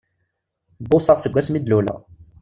Bbuṣaɣ seg wasmi i d-luleɣ!